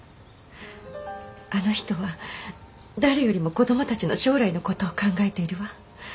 あの人は誰よりも子どもたちの将来の事を考えているわ。